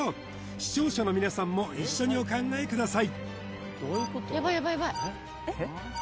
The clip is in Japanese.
視聴者の皆さんも一緒にお考えください何何？